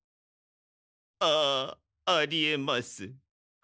ああありえます。